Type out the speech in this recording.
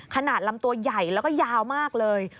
ลำตัวใหญ่แล้วก็ยาวมากเลย